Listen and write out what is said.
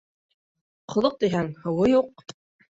Ҡоҙоҡ тиһәң, һыуы юҡ.